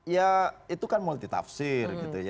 ya itu kan multi tafsir gitu ya